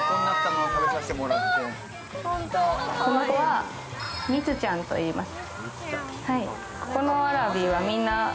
この子はミツちゃんといいます。